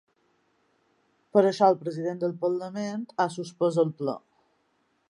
Per això el president del parlament ha suspès el ple.